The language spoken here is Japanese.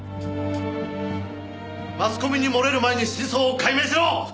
マスコミに漏れる前に真相を解明しろ！